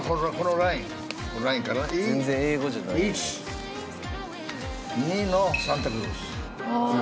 １２のサンタクロース。